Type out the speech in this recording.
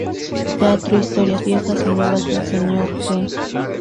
Teatro: "Historias viejas y nuevas del Señor G".